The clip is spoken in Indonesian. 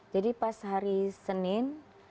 jadi pas hari senin